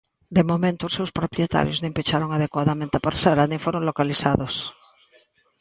De momento os seus propietarios nin pecharon adecuadamente a parcela nin foron localizados.